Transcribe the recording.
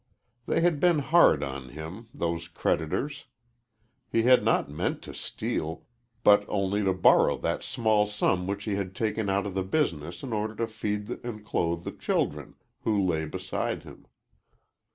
They had been hard on him those creditors. He had not meant to steal, but only to borrow that small sum which he had taken out of the business in order to feed and clothe the children who lay beside him.